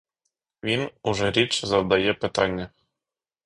Він уже рідше завдає питання.